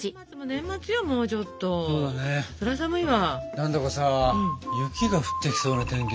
何んだかさ雪が降ってきそうな天気だな。